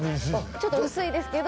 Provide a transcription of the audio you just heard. ちょっと薄いですけど。